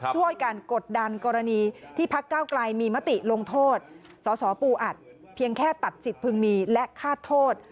ช่วยกันกดดันกรณีที่พักเก้าไกลมีมติลงโทษสสปูอัดเพียงแค่ตัดจิตพึงมีและฆ่าโทษ